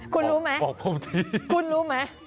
คุณรู้ไหมบอกพร้อมทีคุณรู้ไหม